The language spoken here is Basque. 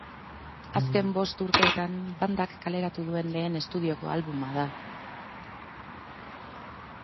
Azken bost urteetan bandak kaleratu duen lehen estudioko albuma da.